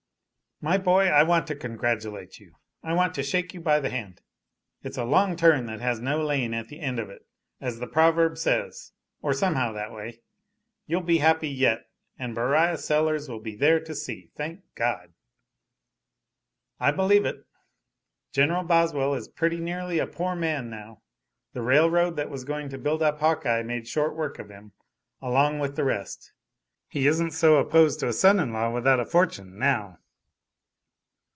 "My boy, I want to congratulate you; I want to shake you by the hand! It's a long turn that has no lane at the end of it, as the proverb says, or somehow that way. You'll be happy yet, and Beriah Sellers will be there to see, thank God!" "I believe it. General Boswell is pretty nearly a poor man, now. The railroad that was going to build up Hawkeye made short work of him, along with the rest. He isn't so opposed to a son in law without a fortune, now."